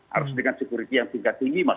harus dengan security yang tingkat tinggi